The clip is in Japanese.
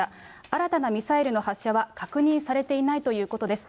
新たなミサイルの発射は確認されていないということです。